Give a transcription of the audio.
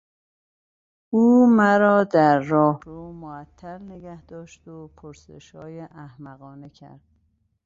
او مرا در راهرو معطل نگهداشت و پرسشهای احمقانه کرد.